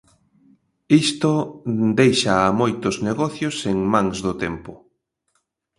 Isto deixa a moitos negocios en mans do tempo.